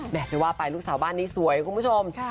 จะว่าไปลูกสาวบ้านนี้สวยคุณผู้ชม